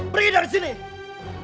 pergi dari sini